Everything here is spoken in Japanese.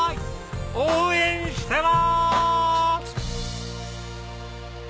応援してます！